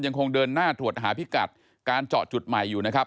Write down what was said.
ยังคงเดินหน้าตรวจหาพิกัดการเจาะจุดใหม่อยู่นะครับ